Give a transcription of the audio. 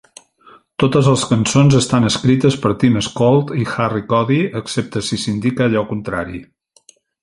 Totes les cançons estan escrites per Tim Skold i Harry Cody, excepte si s"indica allò contrari.